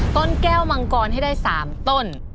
ต้นแก้วมังกรให้ได้๓ต้น